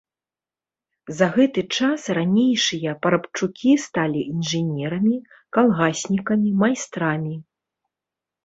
За гэты час ранейшыя парабчукі сталі інжынерамі, калгаснікамі, майстрамі.